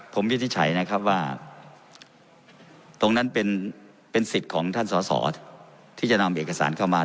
ผมวินิจฉัยนะครับว่าตรงนั้นเป็นสิทธิ์ของท่านสอสอที่จะนำเอกสารเข้ามา